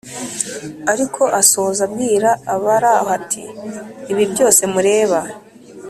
ariko asoza abwira abari aho ati: “Ibi byose mureba